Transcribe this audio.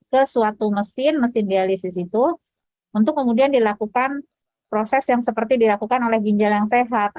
ke suatu mesin mesin dialisis itu untuk kemudian dilakukan proses yang seperti dilakukan oleh ginjal yang sehat